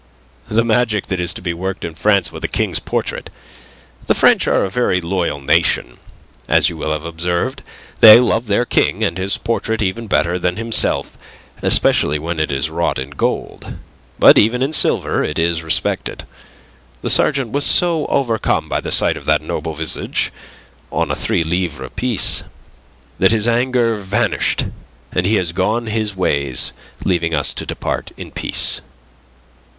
"The magic that is to be worked in France with a King's portrait. The French are a very loyal nation, as you will have observed. They love their King and his portrait even better than himself, especially when it is wrought in gold. But even in silver it is respected. The sergeant was so overcome by the sight of that noble visage on a three livre piece that his anger vanished, and he has gone his ways leaving us to depart in peace."